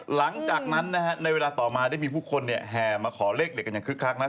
หลังจากนั้นนะฮะในเวลาต่อมาได้มีผู้คนแห่มาขอเลขเด็ดกันอย่างคึกคักนะ